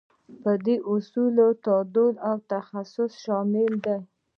په دې اصولو کې تعادل او تخصص شامل دي.